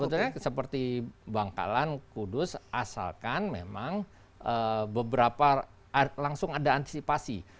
sebetulnya seperti bangkalan kudus asalkan memang beberapa langsung ada antisipasi